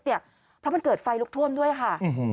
เพราะมันเกิดไฟลุกท่วมด้วยค่ะ